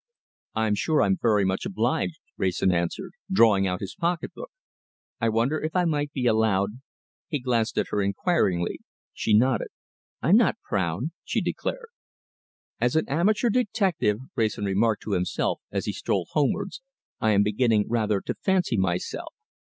"I'm sure I'm very much obliged," Wrayson answered, drawing out his pocketbook. "I wonder if I might be allowed ?" He glanced at her inquiringly. She nodded. "I'm not proud," she declared. "As an amateur detective," Wrayson remarked to himself, as he strolled homewards, "I am beginning rather to fancy myself.